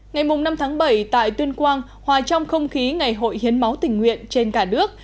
ngày năm tháng bảy tại tuyên quang hòa trong không khí ngày hội hiến máu tình nguyện trên cả nước